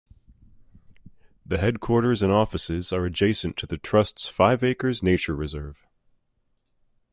The headquarters and offices are adjacent to the Trust's Five Acres nature reserve.